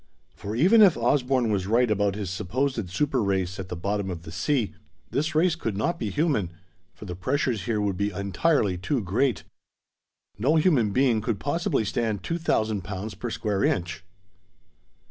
For even if Osborne was right about his supposed super race at the bottom of the sea, this race could not be human, for the pressures here would be entirely too great. No human being could possibly stand two thousand pounds per square inch!